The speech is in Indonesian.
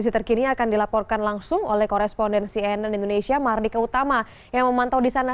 kondisi terkini akan dilaporkan langsung oleh korespondensi nn indonesia mardika utama yang memantau di sana